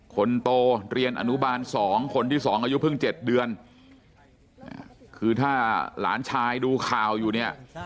คนโตเรียนอนุบาล๒คนที่๒อายุเพิ่ง๗เดือนคือถ้าหลานชายดูข่าวอยู่เนี่ย